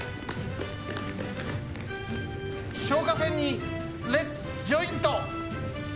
消火栓にレッツジョイント！